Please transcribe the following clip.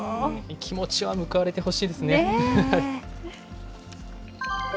気持ちは報われてほしいです